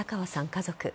家族。